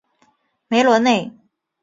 梅罗内。